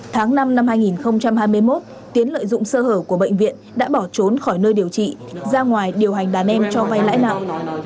tháng năm năm hai nghìn hai mươi một tiến lợi dụng sơ hở của bệnh viện đã bỏ trốn khỏi nơi điều trị ra ngoài điều hành đàn em cho vay lãi nặng